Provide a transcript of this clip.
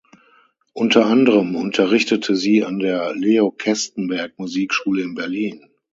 Unter anderem unterrichtete sie an der "Leo Kestenberg Musikschule" in Berlin.